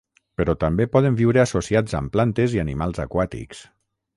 Però també poden viure associats amb plantes i animals aquàtics.